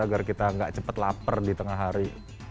agar kita gak cepat lapar di tengah hari